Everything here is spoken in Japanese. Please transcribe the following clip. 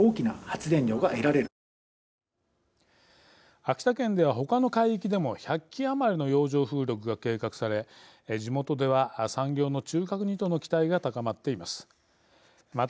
秋田県では、他の海域でも１００基余りの洋上風力が計画され、地元では産業の中核にとの期待が高まっています。